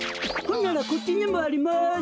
ほんならこっちにもあります。